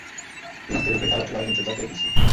Skupina v té době hrála převážně převzaté písně.